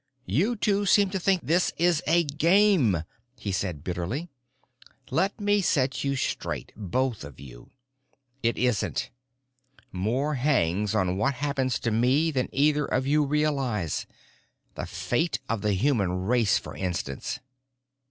"You two seem to think this is a game," he said bitterly. "Let me set you straight, both of you. It isn't. More hangs on what happens to me than either of you realize. The fate of the human race, for instance."